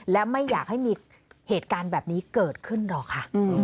และไม่อยากให้มีเหตุการณ์แบบนี้เกิดขึ้นหรอกค่ะ